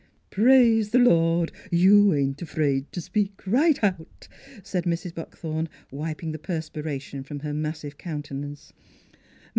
" "Praise th' Lord! you ain't afraid t' speak right out," said Mrs. Buckthorn, wiping the per spiration from her massive countenance.